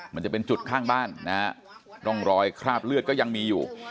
มันจะเป็นจุดข้างบ้านนะฮะร่องรอยคราบเลือดก็ยังมีอยู่